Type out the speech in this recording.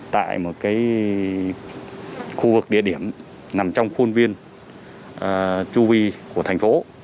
tại một cái khu vực địa điểm nằm trong khuôn viên chu vi của thành phố